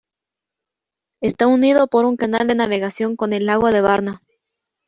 Está unido por un canal de navegación con el lago de Varna.